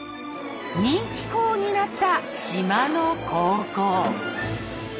人気校になった島の高校。